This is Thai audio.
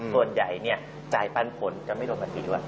ส่วนใหญ่เนี่ยจ่ายปันผลก็ไม่โดนปฏิหรอก